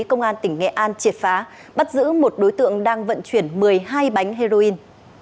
công an tỉnh nghệ an triệt phá bắt giữ một đối tượng đang vận chuyển một mươi hai bánh heroin